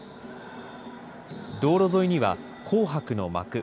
道路沿いには紅白の幕。